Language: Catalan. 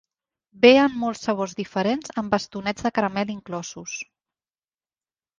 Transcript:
Ve en molts sabors diferents amb bastonets de caramel inclosos.